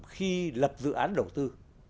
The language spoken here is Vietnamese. khi lập dự án đầu tư